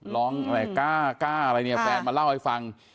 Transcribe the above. ร้องอะไรก้าอะไรแฟนมาเล่าให้ฟัง